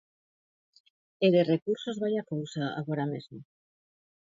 E de recursos vai a cousa agora mesmo.